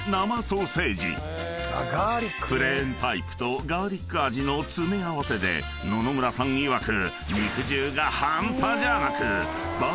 ［プレーンタイプとガーリック味の詰め合わせで野々村さんいわく］